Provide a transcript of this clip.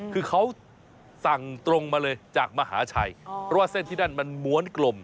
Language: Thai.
คือเขาสั่งตรงมาเลยจากมหาชัยเพราะว่าเส้นที่นั่นมันม้วนกลม